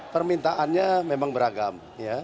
permintaannya memang beragam